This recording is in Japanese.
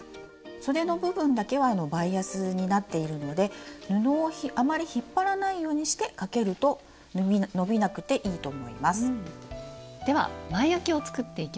そでの部分だけはバイアスになっているので布をあまり引っ張らないようにしてかけると伸びなくていいと思います。